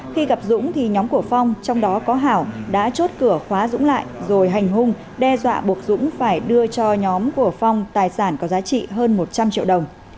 khi gặp dũng thì nhóm của phong trong đó có hảo đã chốt cửa khóa dũng lại rồi hành hung đe dọa buộc dũng phải đưa cho nhóm của phong tài sản có giá trị hơn một trăm linh triệu đồng